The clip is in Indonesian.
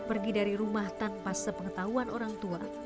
pergi dari rumah tanpa sepengetahuan orang tua